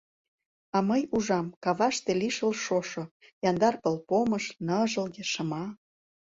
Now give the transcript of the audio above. А мый ужам: каваште — лишыл шошо, Яндар пылпомыш — ныжылге, шыма.